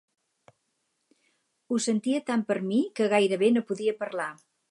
Ho sentia tant per mi que gairebé no podia parlar.